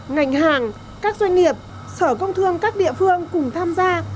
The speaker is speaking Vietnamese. ngành hàng các doanh nghiệp sở công thương các địa phương cùng tham gia